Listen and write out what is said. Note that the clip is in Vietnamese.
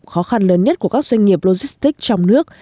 khó khăn lớn nhất của các doanh nghiệp logistics trong nước